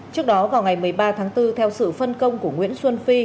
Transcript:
trước đó vào ngày một mươi ba tháng bốn theo sự phân công của nguyễn xuân phi